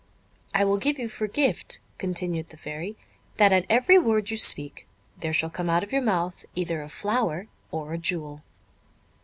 "I will give you for gift," continued the Fairy, "that at every word you speak, there shall come out of your mouth either a flower, or a jewel."